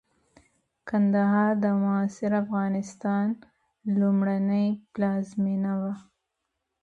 کندهار د معاصر افغانستان لومړنۍ پلازمېنه وه.